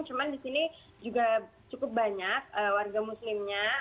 cuma di sini juga cukup banyak warga muslimnya